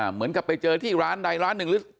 เหมือนกับไปเจอที่ร้านใดร้านหนึ่งหรือ